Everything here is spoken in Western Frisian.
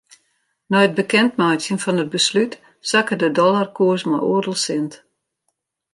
Nei it bekendmeitsjen fan it beslút sakke de dollarkoers mei oardel sint.